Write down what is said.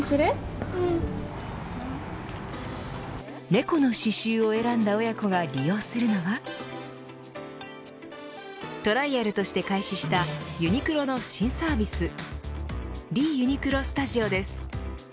猫の刺しゅうを選んだ親子が利用するのはトライアルとして開始したユニクロの新サービスリ・ユニクロスタジオです。